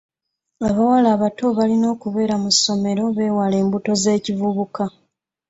Abawala abato balina okubeera mu ssomero beewale embuto z'ekibubuka.